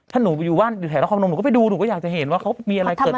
ถ้าหนูอยู่แถวน้ำคอมนมหนูก็ไปดูหนูก็อยากจะเห็นว่าเขามีอะไรเกิด